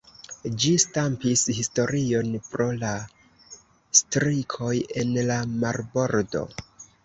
Ĝi stampis historion pro la strikoj en la Marbordo.